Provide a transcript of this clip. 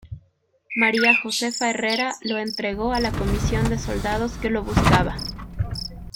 María Josefa Herrera, lo entregó a la comisión de soldados que lo buscaba.